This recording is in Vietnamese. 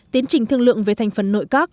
tiến trình thương lượng về thành phần nội các